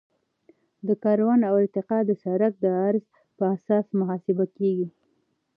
د کرون ارتفاع د سرک د عرض په اساس محاسبه کیږي